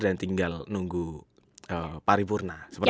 dan tinggal nunggu paripurna